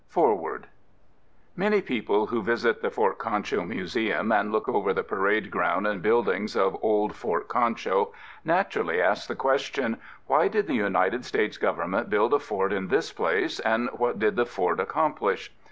FOREWORD Many people who visit the Fort Concho Museum and look over the parade ground and buildings of old Fort Concho, naturally ask the question, "Why did the United States Government build a fort in this place, and what did the fort accomplish?"